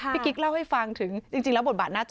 กิ๊กเล่าให้ฟังถึงจริงแล้วบทบาทหน้าจอ